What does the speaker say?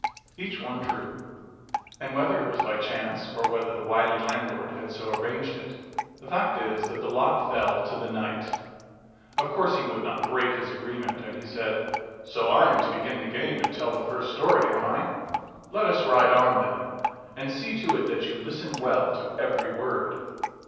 Each one drew, and whether it was by chance or whether the wily landlord had so arranged it, the fact is that the lot fell to the knight. Of course he would not break his agreement, and he said, " So I am to begin the game and tell the first story, am I ? Let us ride on, then ; and see to it that you listen well to every word."